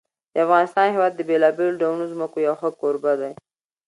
د افغانستان هېواد د بېلابېلو ډولو ځمکو یو ښه کوربه دی.